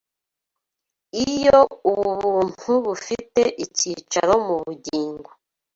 Iyo ubu buntu bufite icyicaro mu bugingo